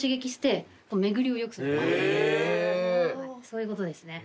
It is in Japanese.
そういうことですね。